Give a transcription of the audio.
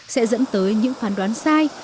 sẽ dẫn tới những phán đoán sai